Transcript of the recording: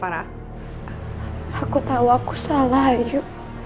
kalau gitu aku ke cafe aja ya